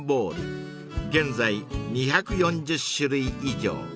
［現在２４０種類以上］